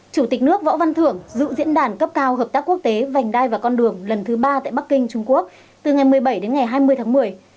chủ tịch nước võ văn thưởng dự diễn đàn cấp cao hợp tác quốc tế vành đai và con đường lần thứ ba tại bắc kinh trung quốc từ ngày một mươi bảy đến ngày hai mươi tháng một mươi